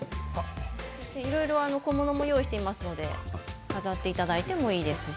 小物も用意していますので飾っていただいてもいいですし。